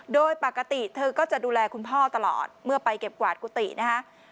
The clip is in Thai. โดยปกติเธอก็จะดูแลคุณพ่อตลอดเมื่อไปเก็บกวาดกุฏินะคะ